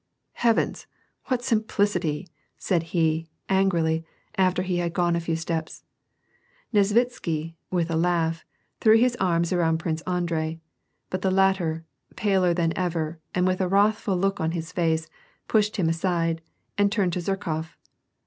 '^ Heavens, what simplicity !"* said he, angrily, after he had gone a few steps. Nesritsky, with a laugh, threw his arms around Prince Andrei ; but the latter, paler than ever, and with a wrathful look on his face, pushed him aside, and turned to Zherkof.